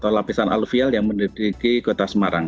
atau lapisan aluvial yang mendiriki kota semarang